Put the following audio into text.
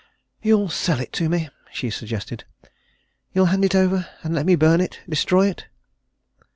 "You'll sell it to me?" she suggested. "You'll hand it over and let me burn it destroy it?"